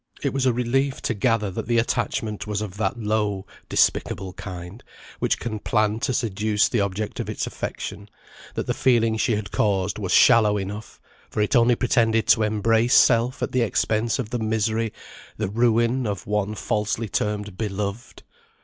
It was a relief to gather that the attachment was of that low, despicable kind, which can plan to seduce the object of its affection; that the feeling she had caused was shallow enough, for it only pretended to embrace self, at the expense of the misery, the ruin, of one falsely termed beloved.